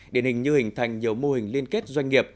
điển hình như hình thành nhiều mô hình liên kết doanh nghiệp